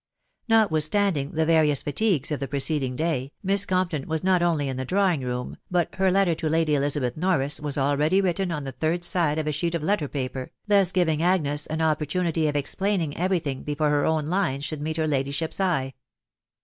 Notwithstanding the various Fatigues of the preceding day, Miss Compton was not only in the drawing room, but her letter to Lady Elizabeth Norris was already written on the third side of a sheet of letter paper, thus giving Agnes an opportunity of explaining every thing before her own lines should meet her ladyship's eye.